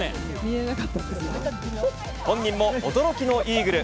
本人も驚きのイーグル。